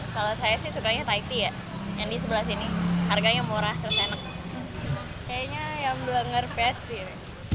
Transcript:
kayaknya yang benar benar best sih